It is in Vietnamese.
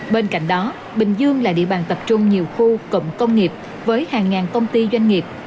bên cạnh đó bình dương là địa bàn tập trung nhiều khu cụm công nghiệp với hàng ngàn công ty doanh nghiệp